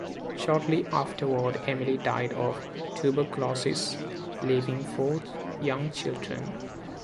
Shortly afterward Emily died of tuberculosis, leaving four young children.